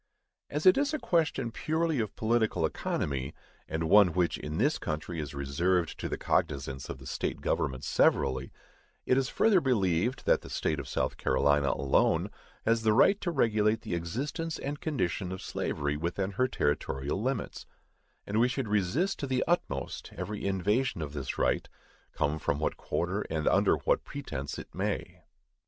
As it is a question purely of political economy, and one which in this country is reserved to the cognizance of the state governments severally, it is further believed, that the State of South Carolina alone has the right to regulate the existence and condition of slavery within her territorial limits; and we should resist to the utmost every invasion of this right, come from what quarter and under whatever pretence it may.